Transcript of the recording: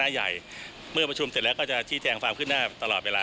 พวกคับที่ประชุมคลิกกล้าทั้งหมดได้ครับ